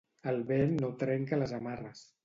El vent no trenca les amarres.